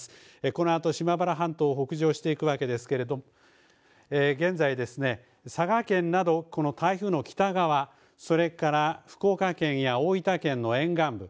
このあと島原半島を北上していくわけですけれど、現在、佐賀県など、この台風の北側、それから、福岡県や大分県の沿岸部。